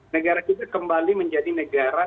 negara kita kembali menjadi negara